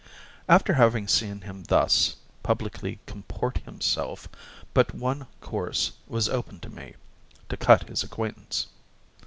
After having seen him thus publicly comport himself, but one course was open to me to cut his acquaintance.